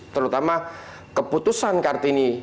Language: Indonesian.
terutama keputusan kartini